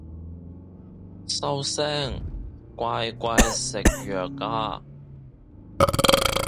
收聲，乖乖食藥啊